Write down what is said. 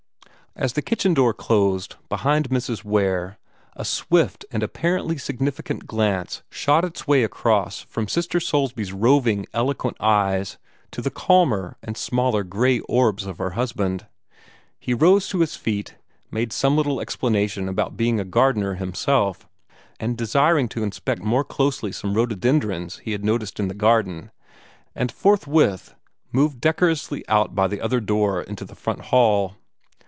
As the kitchen door closed behind Mrs. Ware, a swift and apparently significant glance shot its way across from Sister Soulsby's roving, eloquent eyes to the calmer and smaller gray orbs of her husband. He rose to his feet, made some little explanation about being a gardener himself, and desiring to inspect more closely some rhododendrons he had noticed in the garden, and forthwith moved decorously out by the other door into the front hall.